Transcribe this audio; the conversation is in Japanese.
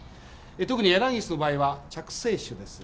特にエランギスの場合は着生種です。